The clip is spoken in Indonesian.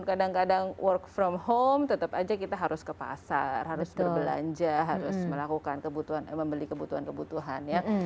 kadang kadang work from home tetap aja kita harus ke pasar harus berbelanja harus melakukan membeli kebutuhan kebutuhan ya